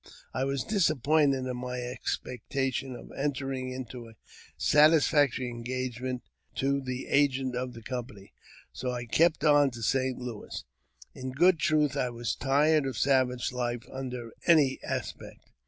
I was disappointed in my expectation of entering into a satisfactory engagement to the agent of the company, so I ^kept on to St. Louis. In good truth, I was tired of savage life under any aspect.